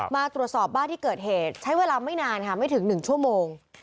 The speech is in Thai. มาตรวจสอบบ้านที่เกิดเหตุใช้เวลาไม่นานค่ะไม่ถึง๑ชั่วโมง